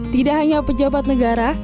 tidak hanya pejabat negara